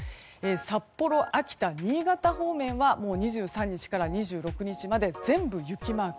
札幌、秋田、新潟方面は２３日から２６日まで全部、雪マーク。